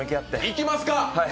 いきますか。